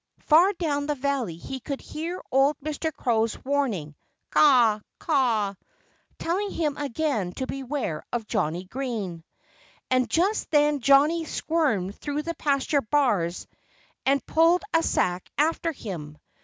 Far down the valley he could hear old Mr. Crow's warning caw, caw, telling him again to beware of Johnnie Green. And just then Johnnie squirmed through the pasture bars and pulled a sack after him.